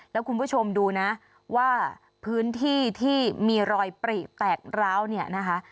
แล้วคุณผู้ชมดูนะว่าพื้นที่ที่มีรอยปรีแตกร้าวเนี่ยนะคะ